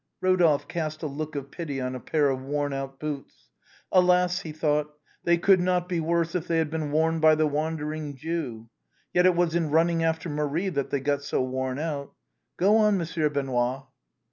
Eodolphe cast a look of pity on a pair of worn out boots. ■'Alas !" he thought, " they could not be worse if they had been worn by the Wandering Jew. Yet it was in running after Marie that they got so worn out. — Go on, Monsieur Benoît."